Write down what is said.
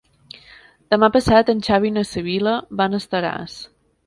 Demà passat en Xavi i na Sibil·la van a Estaràs.